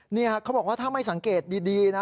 นี่ครับเขาบอกว่าถ้าไม่สังเกตดีนะ